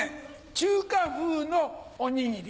中華風のおにぎり。